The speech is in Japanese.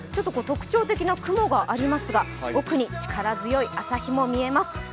特徴的な雲がありますが奥に力強い朝日も見えます。